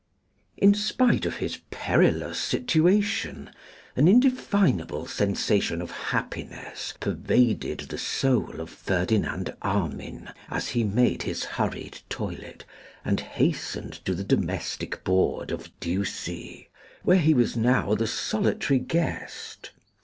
IN SPITE of his perilous situation, an indefinable sensation of happiness pervaded the soul of Ferdinand Armine, as he made his hurried toilet, and hastened to the domestic board of Ducie, where he was now the solitary guest.